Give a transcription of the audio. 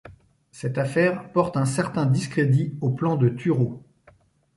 Cette affaire porte un certain discrédit au plan de Turreau.